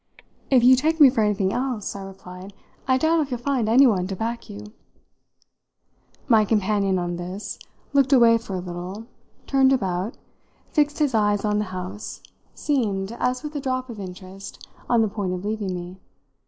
"If you take me for anything else," I replied, "I doubt if you'll find anyone to back you." My companion, on this, looked away for a little, turned about, fixed his eyes on the house, seemed, as with a drop of interest, on the point of leaving me.